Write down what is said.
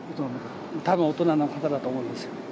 たぶん大人の方だと思うんですよ。